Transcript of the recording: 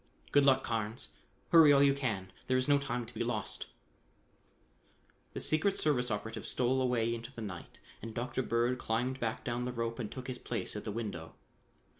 Good luck. Carnes: hurry all you can. There is no time to be lost." The secret service operative stole away into the night and Dr. Bird climbed back down the rope and took his place at the window.